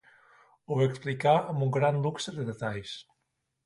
Ho explicà amb un gran luxe de detalls.